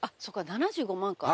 ７５万か。